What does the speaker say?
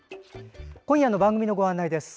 今夜の番組のご案内です。